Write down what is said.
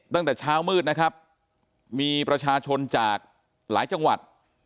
ตั้งแต่เช้ามืดนะครับมีประชาชนจากหลายจังหวัด